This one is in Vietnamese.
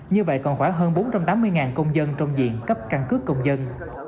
như vậy còn khoảng hơn bốn trăm tám mươi công dân trong diện cấp căn cước công dân